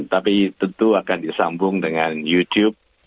tapi tentu akan disambung dengan youtube